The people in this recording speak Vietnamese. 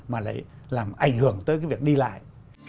mà lại làm ảnh hưởng tới cái việc đi lại